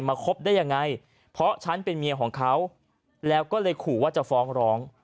คบได้ยังไงเพราะฉันเป็นเมียของเขาแล้วก็เลยขู่ว่าจะฟ้องร้อง